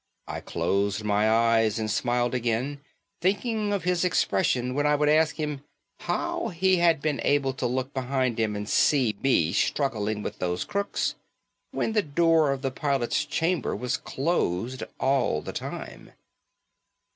I closed my eyes and smiled again, thinking of his expression when I would ask him how he had been able to look behind him and see me struggling with those crooks, when the door of the pilot's chamber was closed all the time....